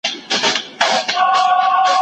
د هیلې غومبوري له ډېر یخ څخه سره شوي وو.